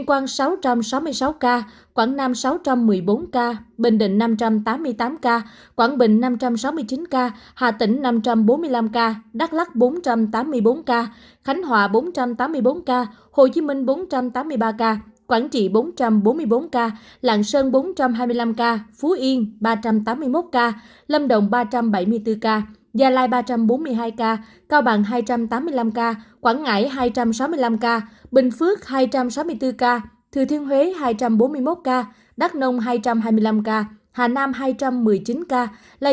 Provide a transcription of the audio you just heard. quảng bình năm trăm sáu mươi chín ca hà tĩnh năm trăm bốn mươi năm ca đắk lắc bốn trăm tám mươi bốn ca khánh hòa bốn trăm tám mươi bốn ca hồ chí minh bốn trăm tám mươi ba ca quảng trị bốn trăm bốn mươi bốn ca lạng sơn bốn trăm hai mươi năm ca phú yên ba trăm tám mươi một ca lâm động ba trăm bảy mươi bốn ca gia lai ba trăm bốn mươi hai ca cao bằng hai trăm tám mươi năm ca quảng ngãi hai trăm sáu mươi năm ca bình phước hai trăm sáu mươi bốn ca thừa thiên huế hai trăm bốn mươi một ca đắk nông hai trăm hai mươi năm ca hà năm hai trăm một mươi chín ca